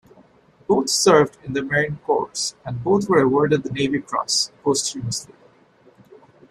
Both served in the Marine Corps, and both were awarded the Navy Cross, posthumously.